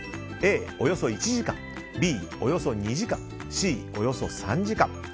Ａ、およそ１時間Ｂ、およそ２時間Ｃ、およそ３時間。